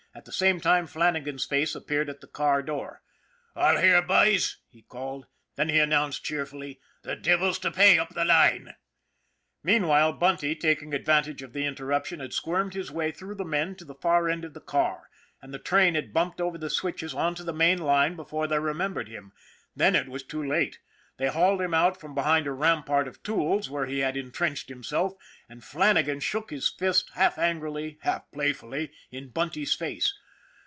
At the same time Flannagan's face appeared at the car door. " All here, boys ?" he called. Then he announced cheerfully :" The devil's to pay up the line !" Meanwhile, Bunty, taking advantage of the inter ruption, had squirmed his way through the men to the far end of the car, and the train had bumped over the switches on to the main line before they remembered him. Then it was too late. They hauled him out from behind a rampart of tools, where he had intrenched himself, and Flannagan shook his fist, half angrily, half playfully, in Bunty's face.